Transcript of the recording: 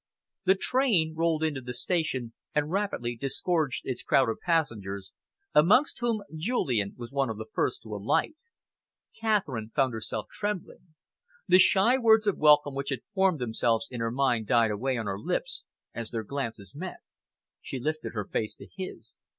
The train rolled into the station and rapidly disgorged its crowd of passengers, amongst whom Julian was one of the first to alight. Catherine found herself trembling. The shy words of welcome which had formed themselves in her mind died away on her lips as their glances met. She lifted her face to his.